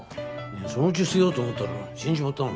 そのうち捨てようと思ってたら死んじまったもん。